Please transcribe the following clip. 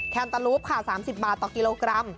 แนตาลูปค่ะ๓๐บาทต่อกิโลกรัม